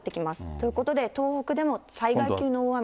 ということで、東北でも災害級の大雨に。